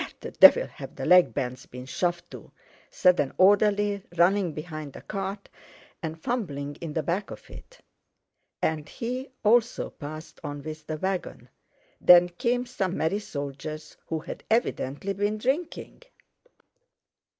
"Where the devil have the leg bands been shoved to?" said an orderly, running behind the cart and fumbling in the back of it. And he also passed on with the wagon. Then came some merry soldiers who had evidently been drinking.